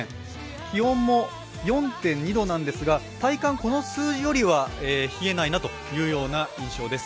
気温も４．２度なんですが体感、この数字よりは冷えないなという印象です。